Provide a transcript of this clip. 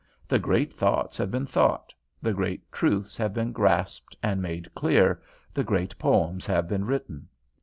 The great thoughts have been thought; the great truths have been grasped and made clear; the great poems have been written.